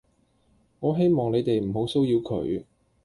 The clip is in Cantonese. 我希望你哋唔好騷擾佢